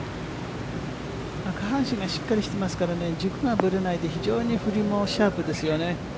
下半身がしっかりしていますから、軸がぶれないで非常に振りもシャープですよね。